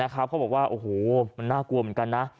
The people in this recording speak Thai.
เขาบอกว่าโอ้โหมันน่ากลัวเหมือนกันนะ